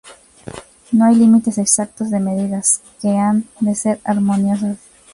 No hay límites exactos de medidas, que han de ser armoniosas.